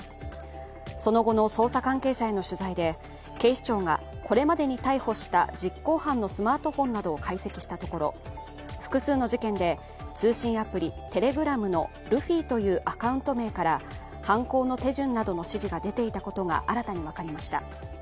その後の捜査関係者への取材で、警視庁がこれまでに逮捕した実行犯のスマートフォンなどを解析したところ複数の事件で通信アプリテレグラムのルフィというアカウント名から犯行の手順などの指示が出ていたことが新たに分かりました。